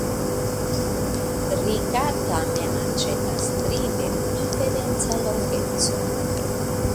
Rika tamen aĉetas tri de diferenca longeco.